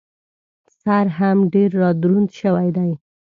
سر هم ډېر را دروند شوی دی.